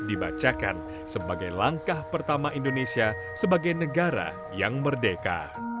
dibacakan sebagai langkah pertama indonesia sebagai negara yang merdeka